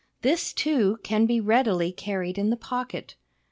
This, too, can be readily carried in the pocket.